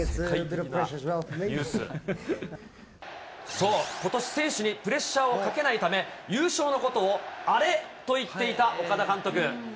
そう、ことし選手にプレッシャーをかけないため、優勝のことをアレと言っていた岡田監督。